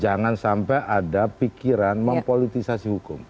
jangan sampai ada pikiran mempolitisasi hukum